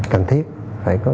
cần thiết phải có